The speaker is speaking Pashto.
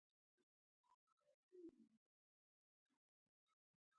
دا د نوښتونو د نشتوالي له امله نه وه.